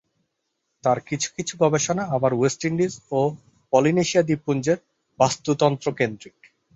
তার কিছু কিছু গবেষণা আবার ওয়েস্ট ইন্ডিজ ও পলিনেশিয়া দ্বীপপুঞ্জের বাস্তুতন্ত্রকেন্দ্রিক।